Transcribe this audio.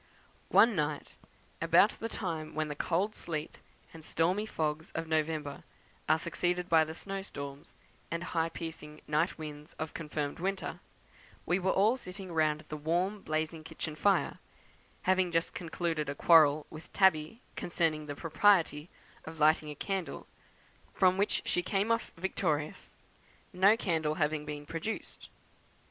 One night, about the time when the cold sleet and stormy fogs of November are succeeded by the snow storms, and high piercing night winds of confirmed winter, we were all sitting round the warm blazing kitchen fire, having just concluded a quarrel with Tabby concerning the propriety of lighting a candle, from which she came off victorious, no candle having been produced.